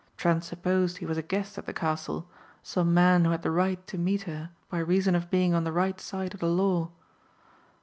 Trent supposed he was a guest at the castle, some man who had the right to meet her by reason of being on the right side of the law.